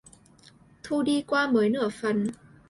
Thu đi qua mới nửa phần